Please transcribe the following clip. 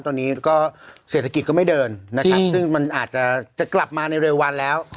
ตอนนี้ก็เศรษฐกิจก็ไม่เดินนะครับซึ่งมันอาจจะกลับมาในเร็ววันแล้ว